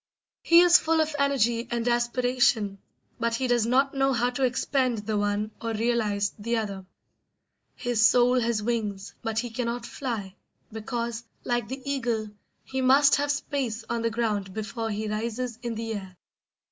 He is full of energy and aspiration, but he does not know how to expend the one or realise the other. His soul has wings, but he cannot fly, because, like the eagle, he must have space on the ground before he rises in the air.